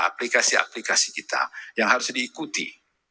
aplikasi aplikasi kita yang harus diikuti